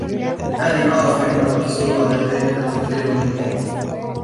دعني أعرف عندما تحصل على ذلك التقرير من توم.